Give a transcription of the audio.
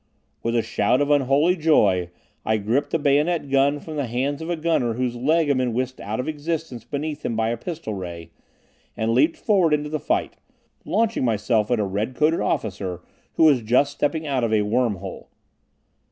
With a shout of unholy joy, I gripped a bayonet gun from the hands of a gunner whose leg had been whisked out of existence beneath him by a pistol ray, and leaped forward into the fight, launching myself at a red coated officer who was just stepping out of a "worm hole."